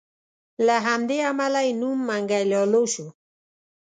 له همدې امله یې نوم منګی لالو شو.